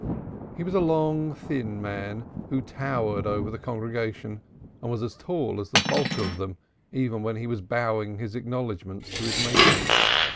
He was a long thin man, who towered above the congregation, and was as tall as the bulk of them even when he was bowing his acknowledgments to his Maker.